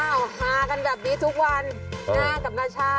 อ้าวหากันแบบนี้ทุกวันหน้ากับหน้าชาย